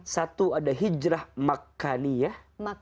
satu ada hijrah makaniyah